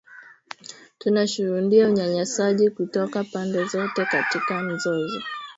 Tunashuhudia unyanyasaji kutoka pande zote katika mzozo, aliongeza Valentine